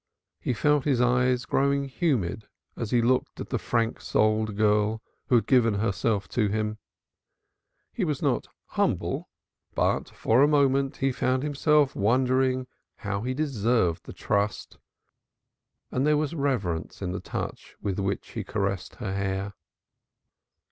He felt his eyes growing humid as he looked at the frank souled girl who had given herself to him. He was not humble, but for a moment he found himself wondering how he deserved the trust, and there was reverence in the touch with which he caressed her hair.